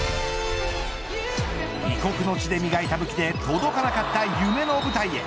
異国の地で磨いた武器で届かなかった夢の舞台へ。